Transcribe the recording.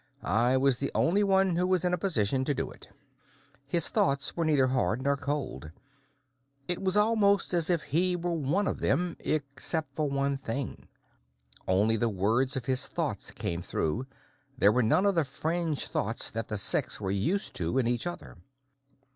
I was the only one who was in a position to do it." His thoughts were neither hard nor cold; it was almost as if he were one of them except for one thing. Only the words of his thoughts came through; there were none of the fringe thoughts that the six were used to in each other.